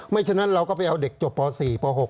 ไม่เช่นนั้นเราก็ไปเอาเด็กจบป๔ป๖